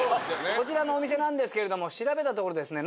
こちらのお店なんですけれども調べたところですね